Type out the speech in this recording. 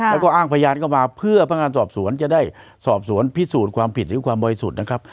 แล้วก็อ้างพยานเข้ามาเพื่อพนักงานสอบสวนจะได้สอบสวนพิสูจน์ความผิดหรือความบริสุทธิ์นะครับ